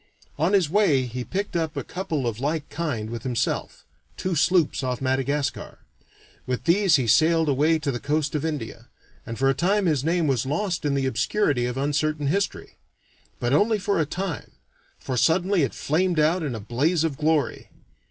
On his way he picked up a couple of like kind with himself two sloops off Madagascar. With these he sailed away to the coast of India, and for a time his name was lost in the obscurity of uncertain history. But only for a time, for suddenly it flamed out in a blaze of glory.